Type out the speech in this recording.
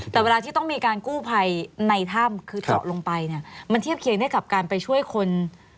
แต่เวลาที่ต้องมีการกู้ภัยในถ้ำคือเจาะลงไปเนี่ยมันเทียบเคียงได้กับการไปช่วยคน